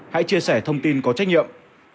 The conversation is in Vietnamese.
hãy chia sẻ thông tin có trách nhiệm